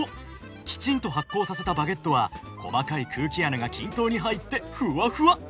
きちんと発酵させたバゲットは細かい空気穴が均等に入ってふわふわ！